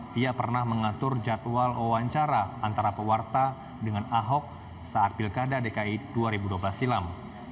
dia pernah mengatur jadwal wawancara antara pewarta dengan ahok saat pilkada dki dua ribu dua belas silam